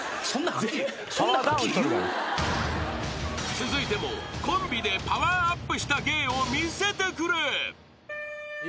［続いてもコンビでパワーアップした芸を見せてくれ］